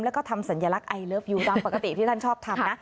แล้วก็ทำสัญลักษณ์ไอเลิฟอยู่ตามปกติที่ท่านชอบทำนะ